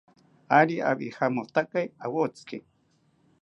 Ari awijamotakae awotziki